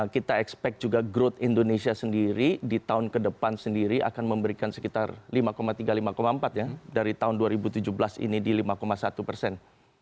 kita expect juga growth indonesia sendiri di tahun ke depan sendiri akan memberikan sekitar lima tiga puluh lima empat ya dari tahun dua ribu tujuh belas ini di lima satu persen